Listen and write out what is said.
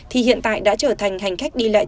thì hiện tại đã trở thành hành khách đi lại